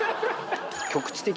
局地的。